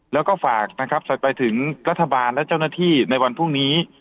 แล้วก็ฝากนะครับไปถึงรัฐบาลและเจ้าหน้าที่ในวันพรุ่งนี้